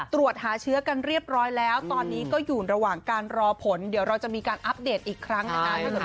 ตรวจหาเชื้อกันเรียบร้อยแล้วตอนนี้ก็อยู่ระหว่างการรอผลเดี๋ยวเราจะมีการอัปเดตอีกครั้งนะคะ